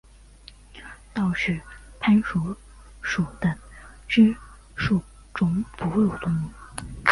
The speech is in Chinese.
道氏攀鼠属等之数种哺乳动物。